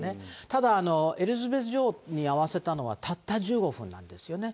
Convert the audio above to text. ただ、エリザベス女王に会わせたのは、たった１５分なんですよね。